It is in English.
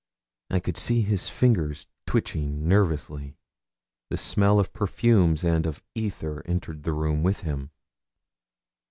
I could see his fingers twitching nervously. The smell of perfumes and of ether entered the room with him.